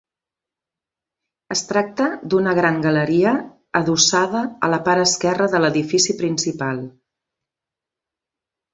Es tracta d'una gran galeria adossada a la part esquerra de l'edifici principal.